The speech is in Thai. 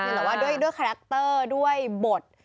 แต่ว่าด้วยคาแรคเตอร์ด้วยบท